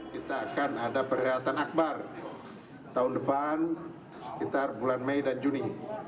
kita akan ada perhelatan akbar tahun depan sekitar bulan mei dan juni